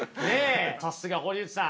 さすが堀内さん。